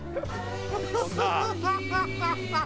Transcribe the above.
ハハハハ！